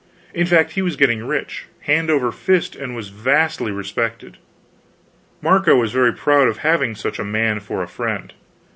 In fact, he was getting rich, hand over fist, and was vastly respected. Marco was very proud of having such a man for a friend.